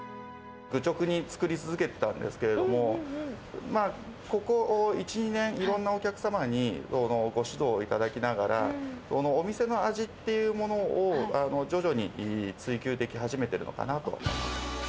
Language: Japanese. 愚直に作り続けてたんですけれども、ここ１、２年、いろんなお客様にご指導を頂きながら、お店の味っていうものを徐々に追求でき始めてるのかなと。